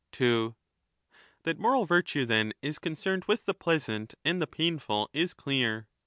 That moral virtue, then, is concerned with the pleasant 2 and the painful is clear.